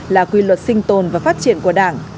là quy luật sinh tồn và phát triển của đảng